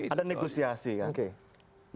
ada negosiasi kan